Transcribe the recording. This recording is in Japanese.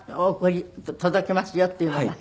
届けますよっていうのが。